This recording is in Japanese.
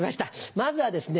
まずはですね